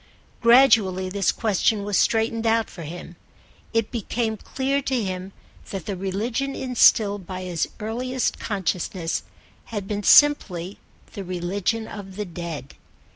Gradually this question was straightened out for him: it became clear to him that the religion instilled by his earliest consciousness had been simply the religion of the Dead.